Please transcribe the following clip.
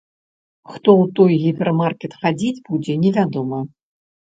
Хто ў той гіпермаркет хадзіць будзе, невядома.